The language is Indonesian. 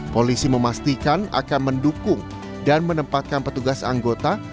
polisi memastikan akan mendukung dan menempatkan petugas anggota